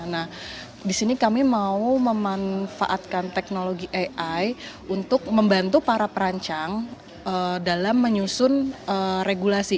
nah di sini kami mau memanfaatkan teknologi ai untuk membantu para perancang dalam menyusun regulasi